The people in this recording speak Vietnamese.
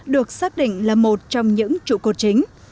được xác định là một trong những trụ cột chính